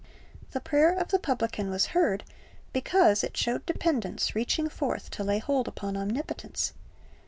The prayer of the publican was heard because it showed dependence reaching forth to lay hold upon Omnipotence.